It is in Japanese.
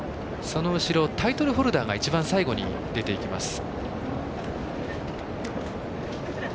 その後ろ、タイトルホルダーが一番最後に出ていきます。